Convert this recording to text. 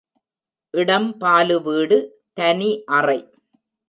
இடம் பாலு வீடு, தனி அறை.